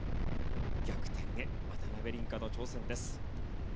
逆転へ、渡辺倫果の挑戦です。